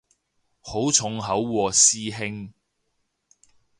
好重口喎師兄